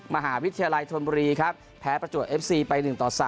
มหาวิทยาลัยธนบุรีครับแพ้ประจวบเอฟซีไป๑ต่อ๓